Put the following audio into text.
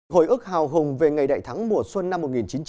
hồi ức hào hùng về ngày đại thắng mùa xuân năm một nghìn chín trăm bảy mươi năm